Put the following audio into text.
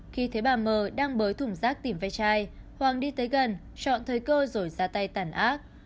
khi thấy bà m đang bới thủng rác tìm vết chai hoàng đi tới gần chọn thời cơ rồi ra tay tàn ác